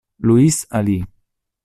Luis Alí